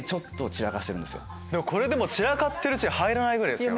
これでも散らかってるうちに入らないぐらいですけどね。